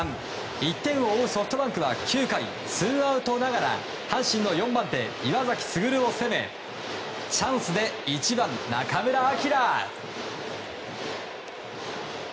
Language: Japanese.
１点を追うソフトバンクは９回、ツーアウトながら阪神の４番手、岩崎優を攻めチャンスで１番、中村晃。